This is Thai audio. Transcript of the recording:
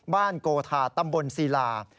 บ้านโกธาตำบลศิลา